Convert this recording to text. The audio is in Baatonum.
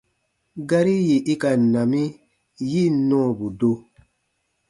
Gari yì i ka na mi, yi ǹ nɔɔbu do.